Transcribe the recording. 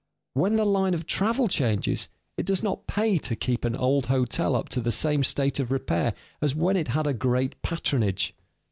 When the line of travel changes, it does not pay to keep an old hotel up to the same state of repair as when it had a great patronage.